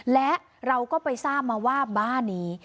และเราก็ไปทราบมาว่าบ้านนี้